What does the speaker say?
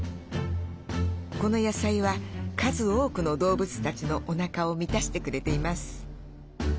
この野菜は数多くの動物たちのおなかを満たしてくれています。